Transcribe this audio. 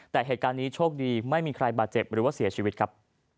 แต่เหตุการณ์นี้โชคดีไม่มีใครบาดเจ็บหรือว่าเสียชีวิตครับ